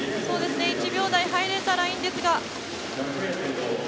１秒台入れたらいいんですが。